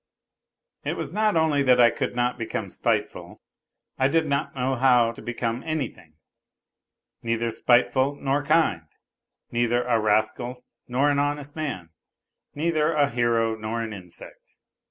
.. i It was not only that I could not become spiteful, I did not know how to become anything : neither spiteful nor kind, neither a rascal nor an honest man, neither a hero nor an insect.